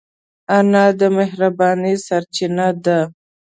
انا د مهربانۍ سرچینه ده